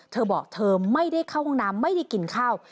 เธอบอกเธอไม่ได้เข้าห้องน้ำไม่ได้กินข้าว